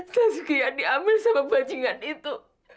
taskia diambil sama bajingan itu